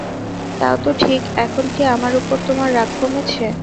তাও তো ঠিক এখন কি আমার উপর তোমার রাগ কমেছে?